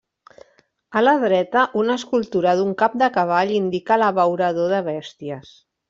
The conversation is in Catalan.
A la dreta una escultura d'un cap de cavall indica l'abeurador de bèsties.